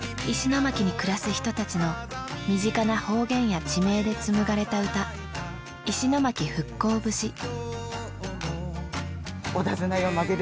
石巻に暮らす人たちの身近な方言や地名で紡がれた歌「石巻復興節」。